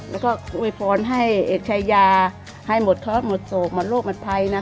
แล้วก็อวยพรให้เอกชายาให้หมดเคราะห์หมดโศกหมดโรคหมดภัยนะ